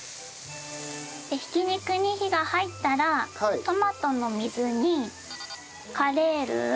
挽き肉に火が入ったらトマトの水煮カレールウ